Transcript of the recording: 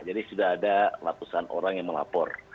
jadi sudah ada ratusan orang yang melapor